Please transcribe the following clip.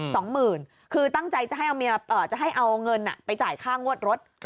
สองหมื่นคือตั้งใจจะให้เอาเงินไปจ่ายค่างวดรถ